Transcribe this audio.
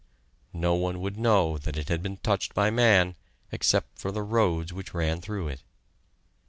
No one would know that it had been touched by man, except for the roads which ran through it.